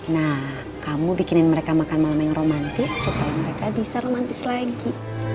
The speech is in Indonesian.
nah kamu bikinin mereka makan malam yang romantis supaya mereka bisa romantis lagi